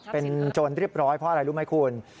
เป็นโจรเรียบร้อยเพราะอะไรรู้ไหมคุณ